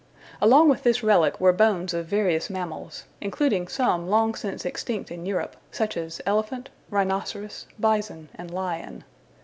Along with this relic were bones of various mammals, including some long since extinct in Europe, such as elephant, rhinoceros, bison, and lion.